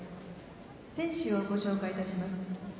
選手をご紹介いたします。